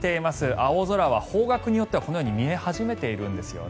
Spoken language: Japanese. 青空は方角によってはこのように見え始めているんですよね。